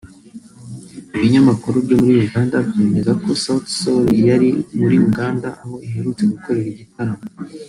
Ibinyamakuru byo muri Uganda byemeza ko ubwo Sauti Sol yari muri Uganda aho iherutse gukorera igitaramo